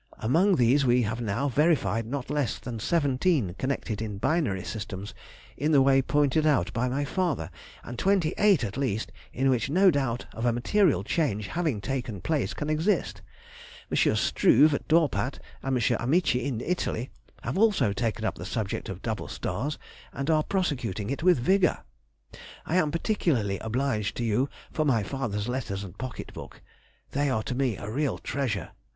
Among these we have now verified not less than seventeen connected in binary systems in the way pointed out by my father, and twenty eight at least in which no doubt of a material change having taken place can exist. M. Struve, at Dorpat, and M. Amici, in Italy, have also taken up the subject of double stars, and are prosecuting it with vigour. I am particularly obliged to you for my father's letters and pocket book—they are to me a real treasure.